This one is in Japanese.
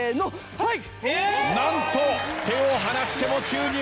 はい。